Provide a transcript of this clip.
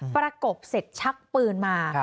ประกบเสร็จชักปืนมา